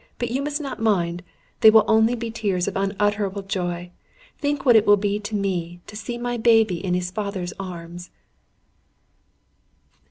But you must not mind. They will only be tears of unutterable joy. Think what it will be to me, to see my baby in his father's arms!"